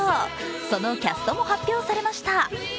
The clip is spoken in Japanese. そのキャストも発表されました。